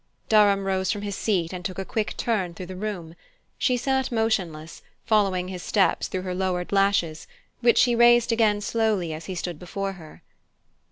Durham rose from his seat and took a quick turn through the room. She sat motionless, following his steps through her lowered lashes, which she raised again slowly as he stood before her.